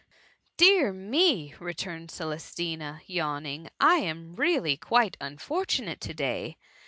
*" Dear me !^ returned Celestina, yawning, I am really quite unfortunate to day